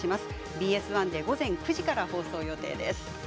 ＢＳ１で午前９時から放送予定です。